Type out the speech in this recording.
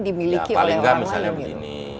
ya paling tidak misalnya begini